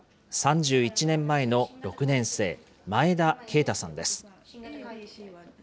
３１年前の６年生、前田恵太さんです。